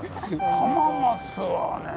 浜松はねえ？